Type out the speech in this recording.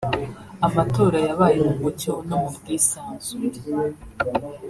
“Amatora yabaye mu mucyo no mu bwisanzure